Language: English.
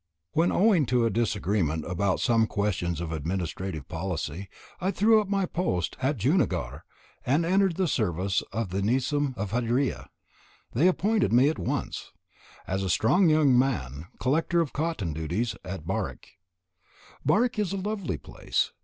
When, owing to a disagreement about some questions of administrative policy, I threw up my post at Junagarh, and entered the service of the Nizam of Hydria, they appointed me at once, as a strong young man, collector of cotton duties at Barich. Barich is a lovely place.